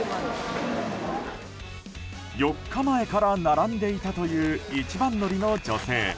４日前から並んでいたという一番乗りの女性。